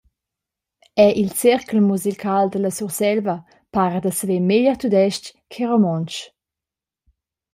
Era il Cerchel musical dalla Surselva para da saver meglier tudestg che romontsch.